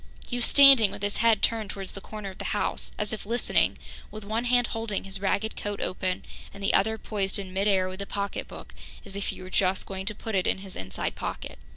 He was standing with his head turned towards the corner of the house as if listening, with one hand holding his ragged coat open and the other poised in mid air with the pocketbook, as if he were just going to put it in his inside pocket.